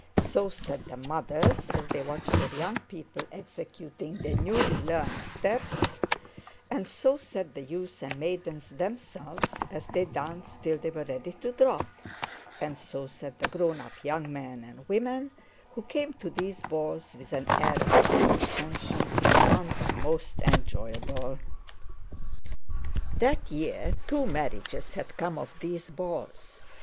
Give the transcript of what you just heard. So said the mothers as they watched their young people executing their newly learned steps, and so said the youths and maidens themselves as they danced till they were ready to drop, and so said the grown up young men and women who came to these balls with an air of condescension and found them most enjoyable. That year two marriages had come of these balls.